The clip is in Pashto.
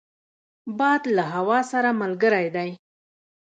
باد له هوا سره ملګری دی